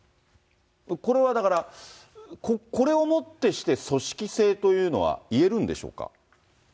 これはだから、これをもってして、組織性というのは、いえるんでしょうか。